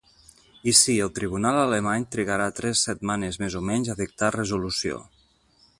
I sí, el tribunal alemany trigarà tres setmanes, més o menys, a dictar resolució.